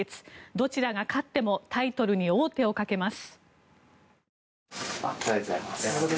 どちらが勝ってもタイトルに王手をかけます。